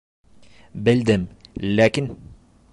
— Белдем, ләкин...